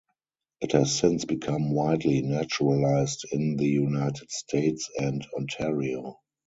It has since become widely naturalized in the United States and Ontario.